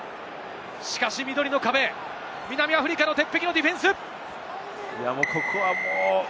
しかし緑の壁、南アフリカの鉄壁のディフェンス。